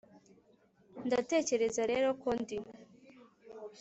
ndatekereza rero ko ndi.